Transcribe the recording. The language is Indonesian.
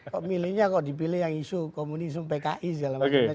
kok milihnya kok dipilih yang isu komunisme pki segala macam